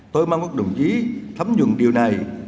tôi mang các đồng chí thấm dùng điều này